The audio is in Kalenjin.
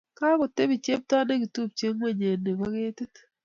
Kagotebi chepto negitupche ingweny nebo ketit